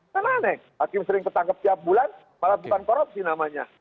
kan aneh hakim sering ketangkep tiap bulan malah bukan korupsi namanya